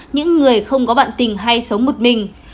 những người không có bạn tình hay sống một mình